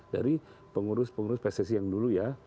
dari pengurus pengurus pssi yang dulu ya